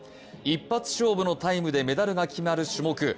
一発勝負のタイムでメダルが決まる種目。